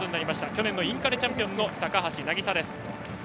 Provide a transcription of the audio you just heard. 去年のインカレチャンピオンの高橋渚です。